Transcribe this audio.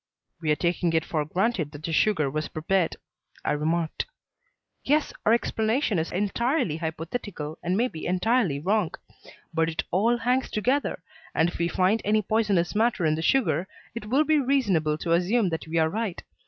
"We are taking it for granted that the sugar was prepared," I remarked. "Yes. Our explanation is entirely hypothetical and may be entirely wrong. But it all hangs together, and if we find any poisonous matter in the sugar, it will be reasonable to assume that we are right.